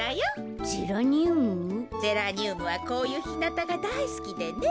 ゼラニュームはこういうひなたがだいすきでね。